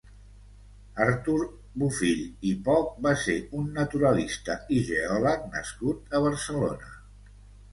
Artur Bofill i Poch va ser un naturalista i geòleg nascut a Barcelona.